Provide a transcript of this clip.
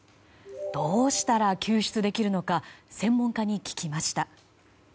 どうしたら救出できるのか専門家に聞きました。